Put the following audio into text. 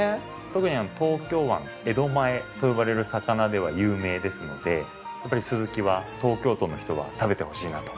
特に東京湾江戸前と呼ばれる魚では有名ですのでスズキは東京都の人は食べてほしいなと思います。